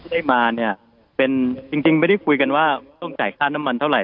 ได้มาเนี่ยเป็นจริงไม่ได้คุยกันว่าต้องจ่ายค่าน้ำมันเท่าไห